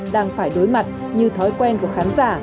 đang phải đối mặt như thói quen của khán giả